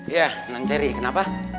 iya nangceri kenapa